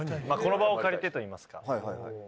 この場を借りてといいますか。